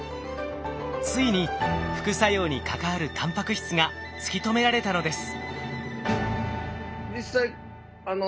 ついに副作用に関わるタンパク質が突き止められたのです。